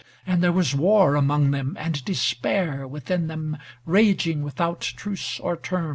And there was war among them, and despair Within them, raging without truce or terms.